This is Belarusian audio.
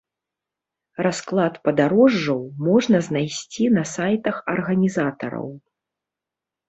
Расклад падарожжаў можна знайсці на сайтах арганізатараў.